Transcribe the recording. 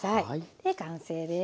で完成です。